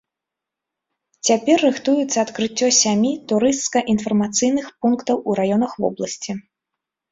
Цяпер рыхтуецца адкрыццё сямі турысцка-інфармацыйных пунктаў у раёнах вобласці.